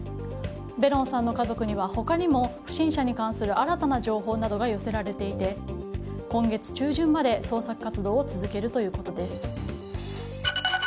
ベロンさんの家族には他にも不審者に関する新たな情報などが寄せられていて今月中旬まで捜索活動を続けるということです。